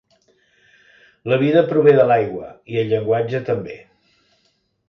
La vida prové de l'aigua i el llenguatge també.